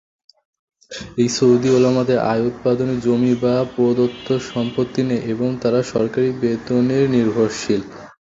এই সৌদি উলামাদের আয়-উৎপাদনের জমি বা প্রদত্ত সম্পত্তি নেই এবং তারা সরকারী বেতনের নির্ভরশীল।